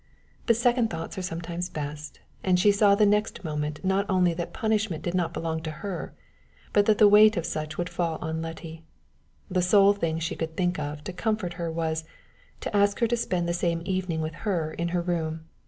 But second thoughts are sometimes best, and she saw the next moment not only that punishment did not belong to her, but that the weight of such would fall on Letty. The sole thing she could think of to comfort her was, to ask her to spend the same evening with her in her room.